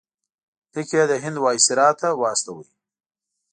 لیک یې د هند وایسرا ته واستاوه.